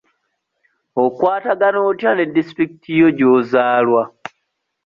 Okwatagana otya ne disitulikiti yo gy'ozaalwa?